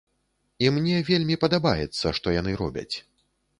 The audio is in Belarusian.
І мне вельмі падабаецца, што яны робяць.